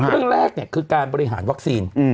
เรื่องแรกคือการบริหารวัคซีน